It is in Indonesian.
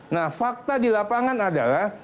nah fakta di lapangan adalah